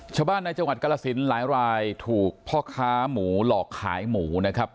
ชาวบ้านในจังหวัดกรสินหลายรายถูกพ่อค้าหมูหลอกขายหมูนะครับ